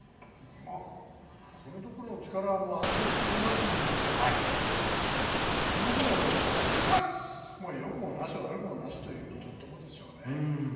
このところ力が安定していますんでこのぐらいのよくもなし、悪くもなしというところでしょうね。